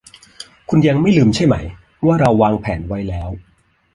คุณยังไม่ลืมใช่ไหมว่าเราวางแผนไว้แล้ว